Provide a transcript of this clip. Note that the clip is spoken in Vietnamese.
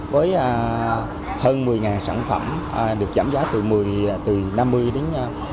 với hơn một mươi sản phẩm được giảm giá từ năm mươi đến một trăm linh